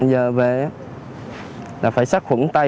giờ về là phải sát khuẩn tay